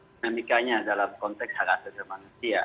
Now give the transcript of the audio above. dinamikanya dalam konteks hak asasi manusia